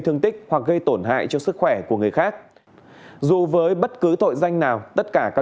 thương tích hoặc gây tổn hại cho sức khỏe của người khác dù với bất cứ tội danh nào tất cả các